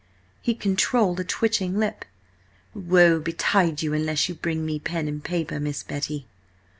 He controlled a twitching lip. "Woe betide you unless you bring me pen and paper, Miss Betty!"